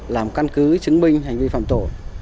làm căn cứ chứng minh hành vi phạm tổ